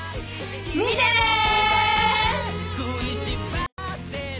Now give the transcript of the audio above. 見てねー！